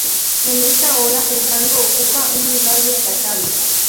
En esta ola, el rango ocupa un lugar destacado.